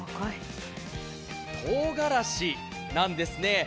とうがらしなんですね。